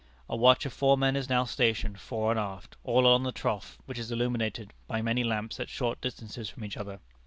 A watch of four men is now stationed, fore and aft, all along the trough, which is illuminated by many lamps at short distances from each other.